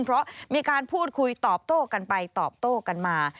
เพราะมีการพูดคุยตอบโต้กันไปตอบโต้กันมา